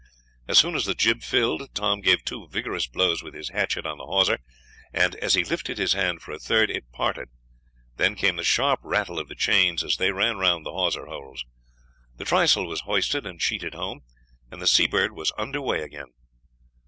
As soon as the jib filled, Tom gave two vigorous blows with his hatchet on the hawser, and, as he lifted his hand for a third, it parted. Then came the sharp rattle of the chains as they ran round the hawser holes. The trysail was hoisted and sheeted home, and the Seabird was under way again.